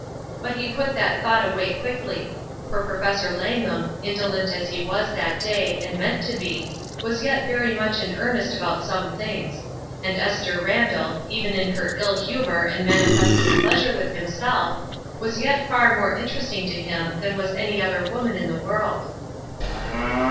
But he put that thought away quickly; for Professor Langham, indolent as he was that day, and meant to be, was yet very much in earnest about some things; and Esther Randall, even in her ill humor and manifest displeasure with himself, was yet far more interesting to him than was any other woman in the world.